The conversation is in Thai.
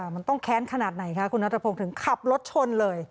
มันต้องแค้นขนาดไหนคะคุณนัทพงศ์ถึงขับรถชนเลย